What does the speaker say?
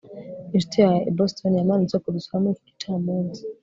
inshuti yawe i boston yamanutse kudusura kuri iki gicamunsi